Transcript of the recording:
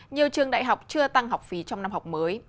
nhiều trường đại học chưa tăng học phí trong năm học mới